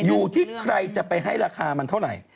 อยู่ที่ใครจะไปให้ราคามันเท่าไหร่